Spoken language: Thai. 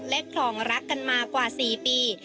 และครองรักกันมากว่า๔ปี